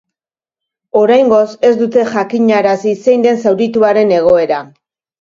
Oraingoz, ez dute jakinarazi zein den zaurituaren egoera.